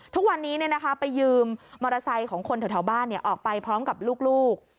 ทุกวันนี้เนี่ยนะคะไปยืมมอาศัยของคนแถวบ้านเนี่ยออกไปพร้อมกับลูก